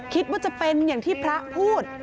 คิดว่าจะเป็นอย่างที่พระพูด